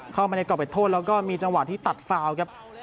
เข้ามาในกรอบเป็นโทษแล้วก็มีจังหวะที่ตัดฟาวครับ